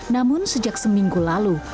namun sejak seminggu lalu